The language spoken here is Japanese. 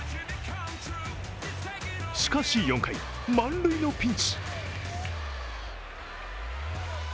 しかし４回、満塁のピンチ。